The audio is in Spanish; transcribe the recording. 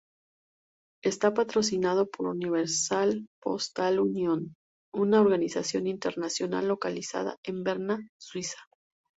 Está patrocinado por "Universal Postal Union", una organización internacional localizada en Berna, Suiza.